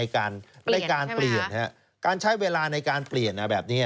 การใช้เวลาในการเปลี่ยนแบบนี้